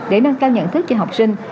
để nâng cao nhận thức cho học sinh